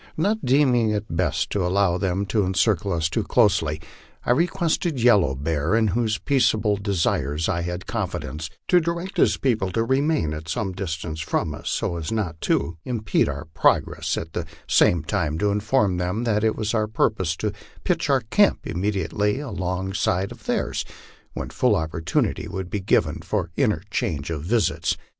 Not deeming it best to allow them to encircle us too closely, I requested Yellow Bear, in whose peaceable desires I had confidence, to direct his peo ple to remain at some distance from us, so as not to impede our progress; at the same time to inform them that it was our purpose to pitch our camp im mediately alongside of theirs, when full opportunity would be given for inter change of visits.